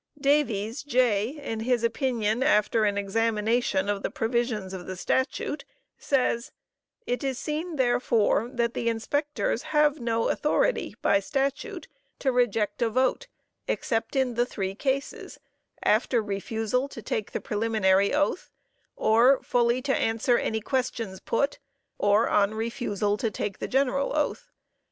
Davies J., in his opinion after an examination of the provisions of the statute says: "_It is seen, therefore, that the inspectors have no authority, by statute, to reject a vote except in the three cases: after refusal to take the preliminary oath, or fully to answer any questions put, or on refusal to take the general oath.